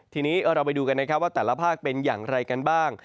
ทีนี้เราไปดูกันนะครับว่าแต่ละภาคเป็นอย่างไรกันบ้าง